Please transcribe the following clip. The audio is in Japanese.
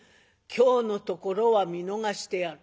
今日のところは見逃してやる。